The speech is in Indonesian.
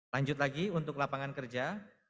lanjut lagi untuk lapangan kerja